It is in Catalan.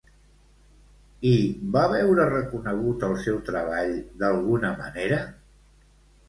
I va veure reconegut el seu treball d'alguna manera?